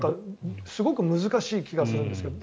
すごく難しい気がするんですけど。